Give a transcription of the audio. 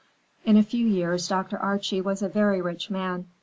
In a few years Dr. Archie was a very rich man.